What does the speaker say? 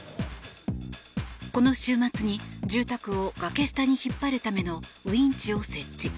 この週末に住宅を崖下に引っ張るためのウィンチを設置。